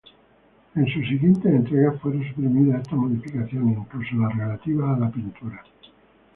En subsiguientes entregas fueron suprimidas estas modificaciones, incluso la relativa a la pintura.